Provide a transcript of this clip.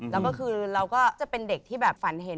แล้วก็คือเราก็จะเป็นเด็กที่แบบฝันเห็น